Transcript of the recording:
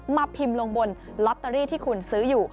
พิมพ์ลงบนลอตเตอรี่ที่คุณซื้ออยู่